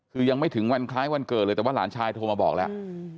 คือยังไม่ถึงวันคล้ายวันเกิดเลยแต่ว่าหลานชายโทรมาบอกแล้ว